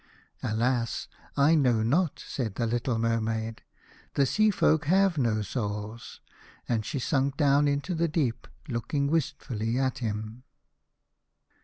" Alas ! I know not," said the little Mer maid : "the Sea folk have no souls." And she sank down into the deep, looking wistfully at him.